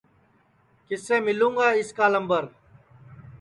کِسے مِلوں گا اِس کا لمبر